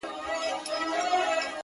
ورځم چي عمر چي له يو ساعته کم ساز کړي!!